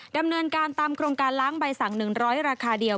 ดำเนินการตามโครงการล้างใบสั่ง๑๐๐ราคาเดียว